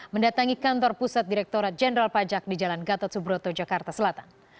mendatangi kantor pusat direkturat jenderal pajak di jalan gatot subroto jakarta selatan